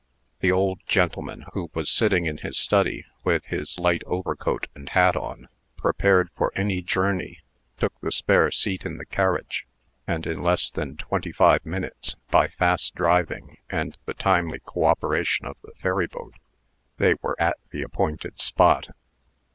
The old gentleman, who was sitting in his study, with his light overcoat and hat on, prepared for any journey, took the spare seat in the carriage, and, in less than twenty five minutes, by fast driving and the timely cooperation of the ferry boat, they were at the appointed spot.